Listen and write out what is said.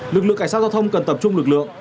lực lượng cảnh sát giao thông cần tập trung lực lượng